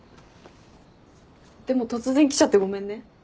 でも突然来ちゃってごめんね。